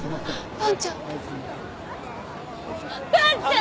伴ちゃん！